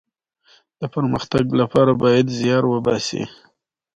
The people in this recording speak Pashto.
ژبه د دوستۍ پُل جوړوي